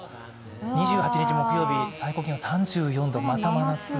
２８日木曜日、最高気温３４度、また真夏日。